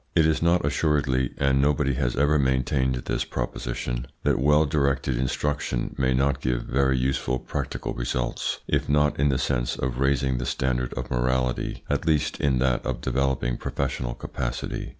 It is not assuredly and nobody has ever maintained this proposition that well directed instruction may not give very useful practical results, if not in the sense of raising the standard of morality, at least in that of developing professional capacity.